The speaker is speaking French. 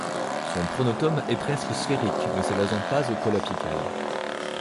Son pronotum est presque sphérique, ne s'évasant pas au col apical.